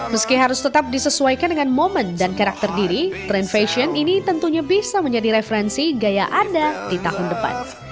meski harus tetap disesuaikan dengan momen dan karakter diri tren fashion ini tentunya bisa menjadi referensi gaya anda di tahun depan